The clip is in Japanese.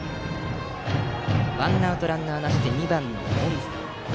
ワンアウトランナーなしで２番の隠塚。